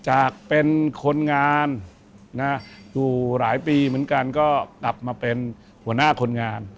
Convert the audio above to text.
จากเป็นคนงานนะอยู่หลายปีเหมือนกันก็กลับมาเป็นหัวหน้าคนงาน